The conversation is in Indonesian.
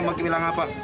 mau dibilang apa